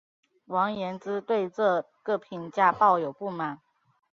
王延之对这个评价抱有不满。